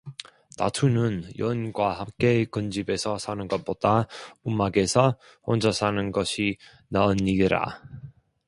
다투는 여인과 함께 큰 집에서 사는 것보다 움막에서 혼자 사는 것이 나으니라